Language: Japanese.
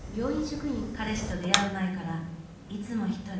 彼氏と出会う前からいつも一人